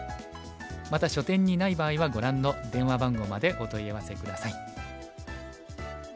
また書店にない場合はご覧の電話番号までお問い合わせ下さい。